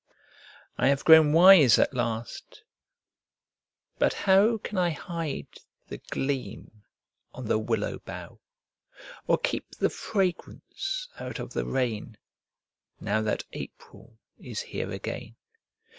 I have grown wise at last but how Can I hide the gleam on the willow bough, Or keep the fragrance out of the rain Now that April is here again?